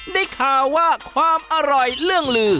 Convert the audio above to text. ได้ข่าวว่าความอร่อยเรื่องลือ